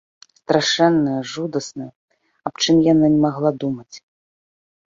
Страшэннае, жудаснае, аб чым яна не магла думаць.